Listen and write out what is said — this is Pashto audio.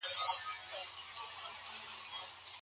په څه ډول د انسان قوي انګیزه د هغه مهارتونه لوړوي؟